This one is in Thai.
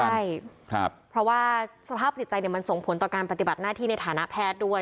ใช่เพราะว่าสภาพจิตใจมันส่งผลต่อการปฏิบัติหน้าที่ในฐานะแพทย์ด้วย